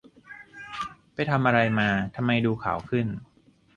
ไปทำอะไรมาทำไมดูขาวขึ้น